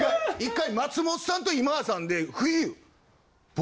１回松本さんと今田さんで冬。